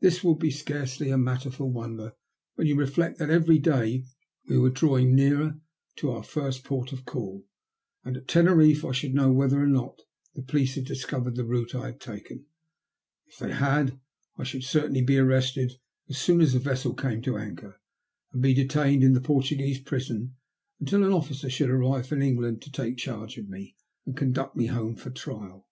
This will be scarcely a matter for wonder when you reflect that every day we were drawing nearer our first port of call, and at Teneriffe I should know whether or not the police had discovered the route I had taken. If they had, I should certainly be arrested as soon as the vessel came to anchor, and be detained in the Portuguese prison until an officer should arrive from England to take charge of me and conduct me home for trial.